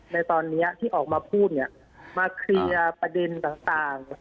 ในตอนนี้ที่ออกมาพูดเนี่ยมาเคลียร์ประเด็นต่าง